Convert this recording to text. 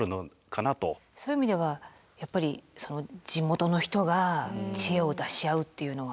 そういう意味ではやっぱり地元の人が知恵を出し合うっていうのは。